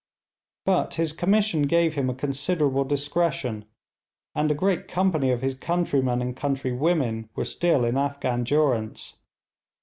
But his commission gave him a considerable discretion, and a great company of his countrymen and countrywomen were still in Afghan durance.